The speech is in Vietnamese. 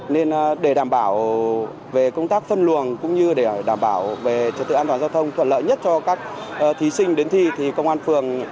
nên để đảm bảo về công tác phân luồng cũng như để đảm bảo về trật tự an toàn giao thông thuận lợi nhất cho các thí sinh đến thi thì công an phường